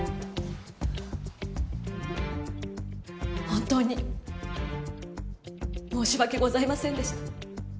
本当に申し訳ございませんでした。